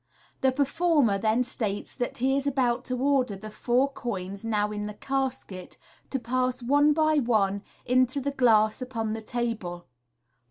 The performer then states that he is about to order the four coins now in the casket to pass one by one into the glass upon the table.